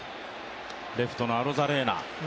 レフトのアロザレーナ。